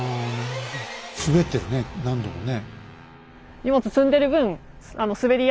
滑ってるね何度もね。